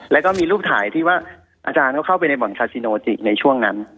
แล้วก็มีรูปถ่ายที่ว่าอาจารย์เขาเข้าไปในบ่อนคาซิโนจิในช่วงนั้น